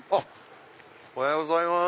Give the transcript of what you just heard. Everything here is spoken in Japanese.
おはようございます。